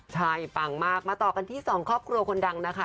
ใช่ปังมากมาต่อกันที่สองครอบครัวคนดังนะคะ